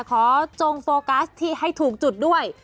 จงโฟกัสที่ให้ถูกจุดด้วย